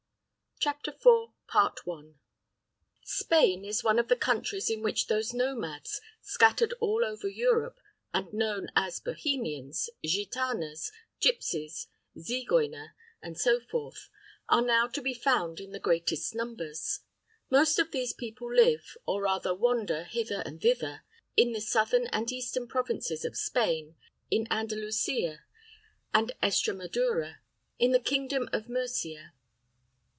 CHAPTER IV Spain is one of the countries in which those nomads, scattered all over Europe, and known as Bohemians, Gitanas, Gipsies, Ziegeuner, and so forth, are now to be found in the greatest numbers. Most of these people live, or rather wander hither and thither, in the southern and eastern provinces of Spain, in Andalusia, and Estramadura, in the kingdom of Murcia.